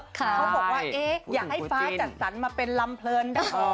ค่ะคู่จินคณะเค้าบอกว่าเอ๊ะอยากให้ฟ้าจัดสรรไปเป็นลำเพลิน